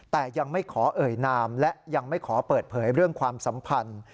แต่ยังไม่ขอเอ่ยนามและยังไม่ขอเปิดเผยเรื่องความสัมพันธ์